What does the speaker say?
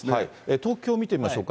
東京見てみましょうか。